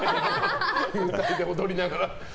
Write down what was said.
幽体で踊りながら。